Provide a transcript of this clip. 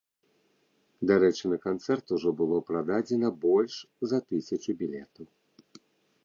Дарэчы, на канцэрт ужо было прададзена больш за тысячу білетаў.